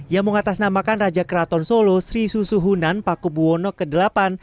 yang mengatasnamakan raja keraton solo sri susuhunan pakubuwono viii